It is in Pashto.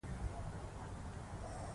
دا یوازې د هغه د ژوندي پاتې کېدو لېوالتیا وه